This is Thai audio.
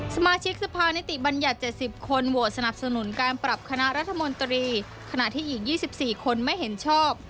สมาชิกสภานิติบัญญัติ๗๐คนโหวตสนับสนุนการปรับคณะรัฐมนตรีขณะที่อีก๒๔คนไม่เห็นชอบ